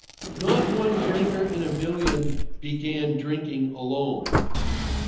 Not one drinker in a million began drinking alone.